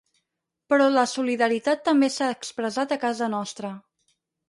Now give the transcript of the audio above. Però la solidaritat també s’ha expressat a casa nostra.